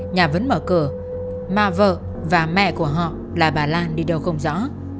nhà vẫn mở cửa mà vợ và mẹ của họ là bà lan đi đâu không rõ